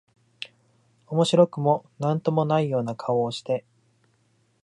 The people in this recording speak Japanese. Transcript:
面白くも何とも無いような顔をして、